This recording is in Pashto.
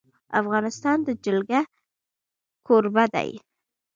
افغانستان د جلګه کوربه دی.